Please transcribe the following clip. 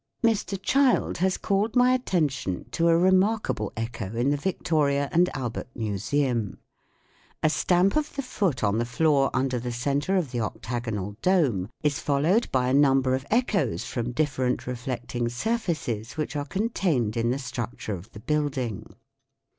Mr. Child has called my attention to a re markable echo in the Victoria and Albert Museum . A stamp of the foot on the floor under the centre of the octagonal dome is followed by a number of echoes from different reflect ing surfaces which are contained in the structure of the building.